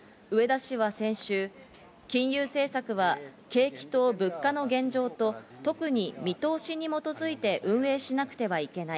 植田氏は先週、金融政策は景気と物価の現状と特に見通しに基づいて運営しなくてはいけない。